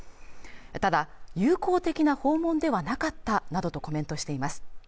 ただ友好的な訪問ではなかったなどとコメントしています